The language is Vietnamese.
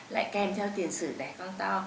lại kèm theo tiền sử đẻ con to